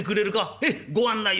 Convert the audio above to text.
「へえご案内を。